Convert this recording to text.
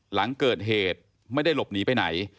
หลังเกิดเหตุไม่ได้หลบหนีไปไหน